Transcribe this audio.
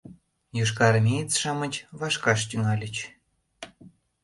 Йошкарармеец-шамыч вашкаш тӱҥальыч...